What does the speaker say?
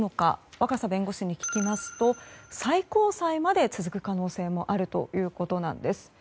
若狭弁護士に聞きますと最高裁まで続く可能性もあるということなんです。